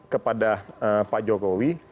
kepada pak jokowi